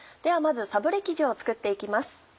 ではまずサブレ生地を作って行きます。